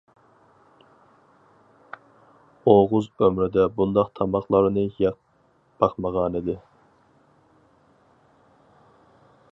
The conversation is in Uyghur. ئوغۇز ئۆمرىدە بۇنداق تاماقلارنى يەپ باقمىغانىدى.